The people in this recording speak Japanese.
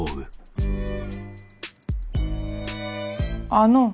あの。